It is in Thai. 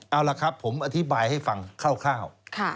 เอาล่ะครับผมอธิบายให้ฟังคร่าว